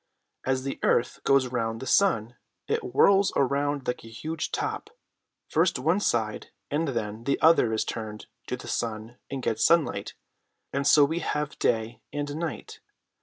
As the earth goes around the sun, it whirls around like a huge top; first one side and then the other is turned to the sun and gets sunlight, and so we have day and night.